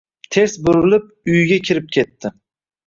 Ters burilib, uyiga kirib ketdi